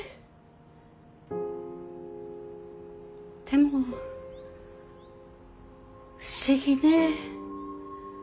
でも不思議ね。